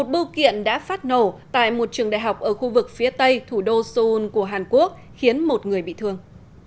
vụ nổ tại một trường đại học ở khu vực phía tây thủ đô seoul của hàn quốc khiến một người bị thương